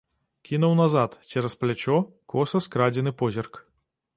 Кінуў назад, цераз плячо, коса скрадзены позірк.